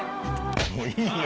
もういいよ。